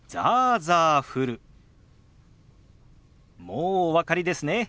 もうお分かりですね。